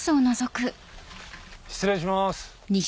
失礼します。